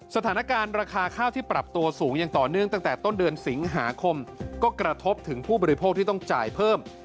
สถานการณ์ราคาข้าวที่ปรับตัวสูงอย่างต่อเนื่องตั้งแต่ต้นเดือนสิงหาคมก็กระทบถึงผู้บริโภคที่ต้องจ่ายเพิ่ม